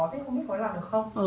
thế không biết có làm được không